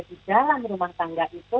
di dalam rumah tangga itu